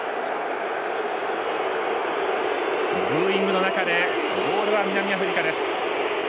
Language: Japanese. ブーイングの中でボールは南アフリカです。